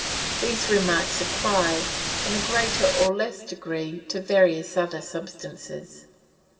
These remarks apply, in a greater or less degree, to various other substances.